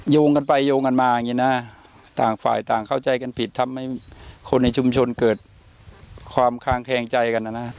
โยงกันไปโยงกันมาอย่างนี้นะต่างฝ่ายต่างเข้าใจกันผิดทำให้คนในชุมชนเกิดความคางแคงใจกันนะนะ